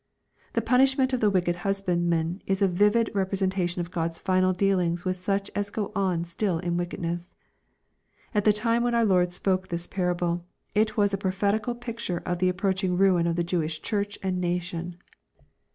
The punishment of the wicked husbandmen is a vivid re presentation of God's final dealings with such as go on still in wickedness. — At the time when our Lord spoke this parable, it was a prophetical picture of the approach ing ruin of the Jewish church and nation.